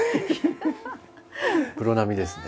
プロ並みですね。